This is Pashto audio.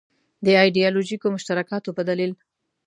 د ایدیالوژیکو مشترکاتو په دلیل.